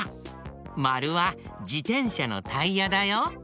まるはじてんしゃのタイヤだよ。